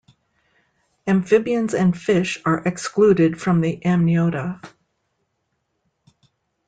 Amphibians and fish are excluded from the amniota.